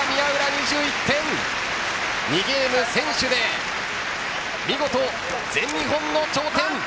２ゲーム先取で見事、全日本の頂点。